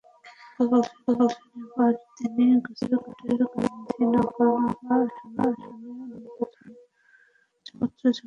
গতকাল শনিবার তিনি গুজরাটের গান্ধীনগর লোকসভা আসনে নির্বাচনের মনোনয়নপত্র জমা দেন।